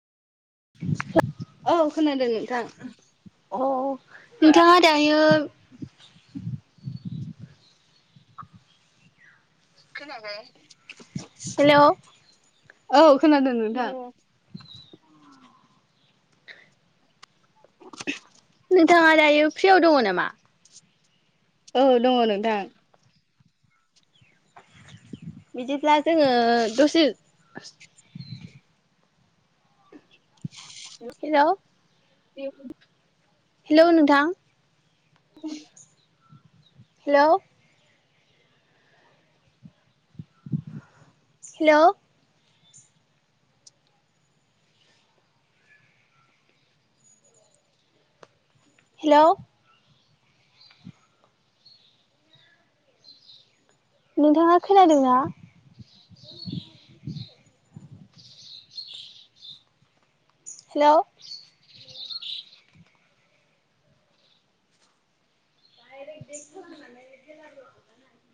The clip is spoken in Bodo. औ खोनादों नोंथां अ नोंथाङा दायो हेलौ औ खोनादों नोंथां। नोंथाङा दायो फ्रियाव दङ नामा? औ दङ नोंथां। बिदिब्ला जोङो दसे हेलौ [inaudible] हेलौ नोंथां [unintelligible] हेलौ हेलौ। हेलौ। नोंथाङा खोनादोंना? हेलौ। [inaudible]